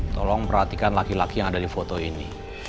tolong perhatikan laki laki yang ada di foto ini